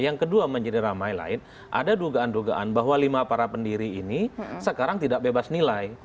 yang kedua menjadi ramai lain ada dugaan dugaan bahwa lima para pendiri ini sekarang tidak bebas nilai